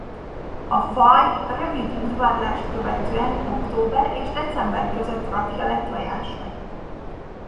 A faj rövid udvarlást követően október és december között rakja le tojásait.